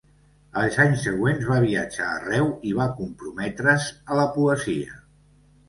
Els anys següents va viatjar arreu i va comprometre's a la poesia.